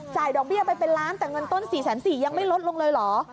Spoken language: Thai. ดอกเบี้ยไปเป็นล้านแต่เงินต้น๔๔๐๐ยังไม่ลดลงเลยเหรอ